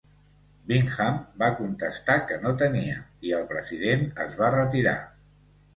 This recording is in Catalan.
Bingham va contestar que no tenia, i el "president" es va retirar.